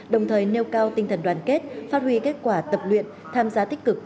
đồng thời nêu cao tinh thần đoàn kết phát huy kết quả tập luyện tham gia tích cực